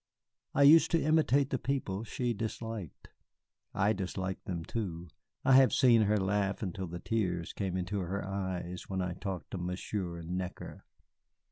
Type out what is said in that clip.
I used to imitate the people she disliked. I disliked them, too. I have seen her laugh until the tears came into her eyes when I talked of Monsieur Necker.